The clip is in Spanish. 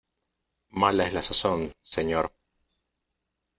mala es la sazón, señor.